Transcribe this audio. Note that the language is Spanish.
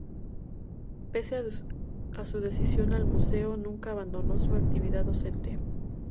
Pese a su dedicación al museo, nunca abandonó su actividad docente.